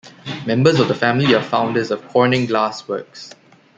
Members of the family are founders of Corning Glass Works.